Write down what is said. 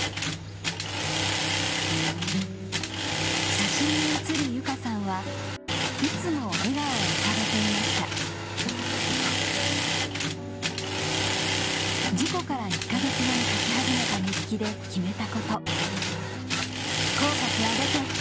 写真に写る由佳さんはいつも笑顔を浮かべていました事故から１か月後に書き始めた日記で決めたこと「口角上げて！